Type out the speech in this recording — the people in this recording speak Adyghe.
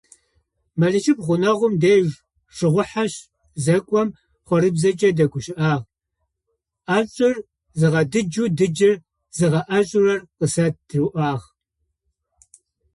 Мэлычыпхъу гъунэгъум дэжь щыгъухьэ зэкӏом хъорыбзэкӏэ дэгущыӏагъ: «ӏэшӏур зыгъэдыджэу, дыджыр зыгъэӏэшӏурэр къысэт» риӏуагъ.